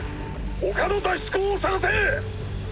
他の脱出口を探せ。